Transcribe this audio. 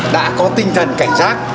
đã có tinh thần cảnh giác